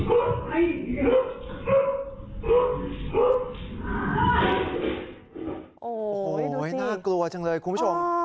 โอ้โหน่ากลัวจังเลยคุณผู้ชม